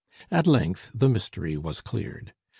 At length the mystery was cleared.